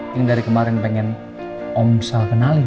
yang dari kemarin pengen om sal kenalin